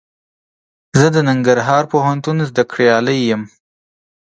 زه د ننګرهار پوهنتون زده کړيال يم.